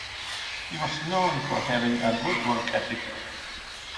He was known for having a good work ethic.